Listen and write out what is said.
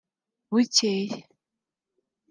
Bukeye